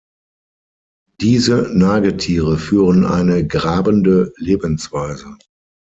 Diese Nagetiere führen eine grabende Lebensweise.